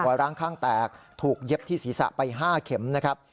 ร้างข้างแตกถูกเย็บที่ศีรษะไป๕เข็มนะครับ